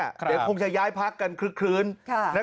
เดี๋ยวคงจะย้ายพักกันคืน